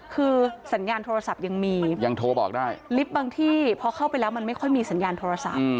คือสัญญาณโทรศัพท์ยังมีลิฟต์บางที่เพราะเข้าไปแล้วมันไม่ค่อยมีสัญญาณโทรศัพท์